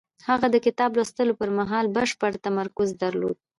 هغه د کتاب لوستلو پر مهال بشپړ تمرکز درلود.